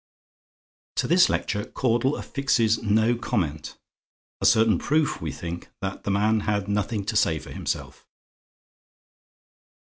To this lecture, Caudle affixes no comment. A certain proof, we think, that the man had nothing to say for himself.